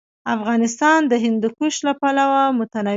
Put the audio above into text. افغانستان د هندوکش له پلوه متنوع دی.